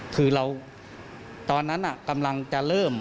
คือเราตอนนั้นกำลังจะเริ่ม